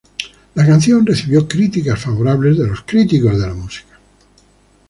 La canción recibió críticas favorables de los críticos de la música.